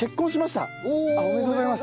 おおおめでとうございます。